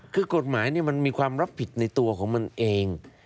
คือกฎหมายมันมีความรับผิดในตัวของมันเอง